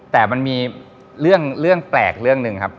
แต่มันมีเรื่องแปลกเรื่องหนึ่งครับ